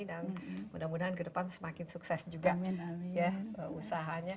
dan mudah mudahan ke depan semakin sukses juga usahanya